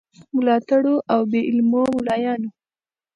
ملاتړو او بې علمو مُلایانو.